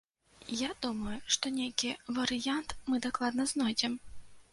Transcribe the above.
Я думаю, што нейкі варыянт мы дакладна знойдзем.